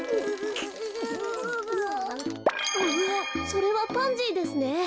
それはパンジーですね。